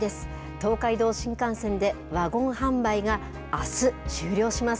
東海道新幹線で、ワゴン販売があす終了します。